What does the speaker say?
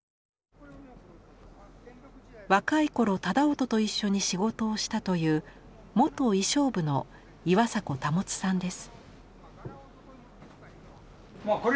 若い頃楠音と一緒に仕事をしたという元衣装部の岩逧保さんです。